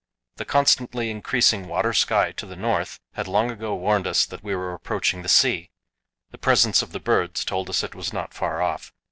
The constantly increasing 'water sky' to the north had long ago warned us that we were approaching the sea; the presence of the birds told us it was not far off.